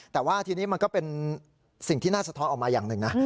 แต่ว่าทีนี้มันก็เป็นสิ่งที่น่าสะท้อนออกมาอย่างหนึ่งนะ